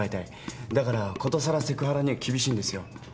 だからことさらセクハラには厳しいんですよ。